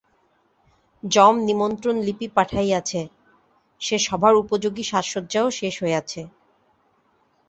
যম নিমন্ত্রণলিপি পাঠাইয়াছে, সে সভার উপযোগী সাজসজ্জাও শেষ হইয়াছে।